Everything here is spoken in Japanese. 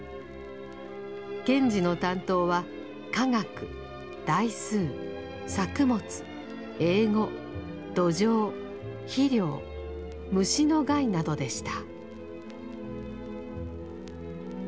賢治の担当は化学代数作物英語土壌肥料虫の害などでした。